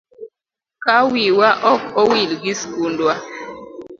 Ka wiwa ok owil gi skundwa.